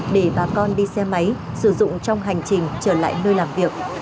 để bà con đi xe máy sử dụng trong hành trình trở lại nơi làm việc